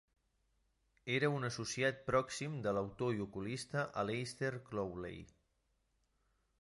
Era un associat pròxim de l'autor i ocultista Aleister Crowley.